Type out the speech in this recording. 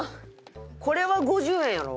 これは５０円やろ？